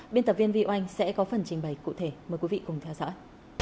biên tập viên vy oanh sẽ có phần trình bày cụ thể mời quý vị cùng theo dõi